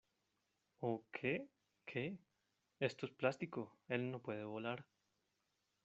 ¿ Oh, qué? ¿ qué ? esto es plástico. él no puede volar .